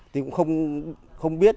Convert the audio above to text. tôi cũng không biết